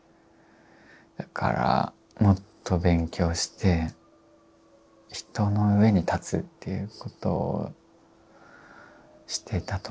だからもっと勉強して人の上に立つっていうことをしてたと思います。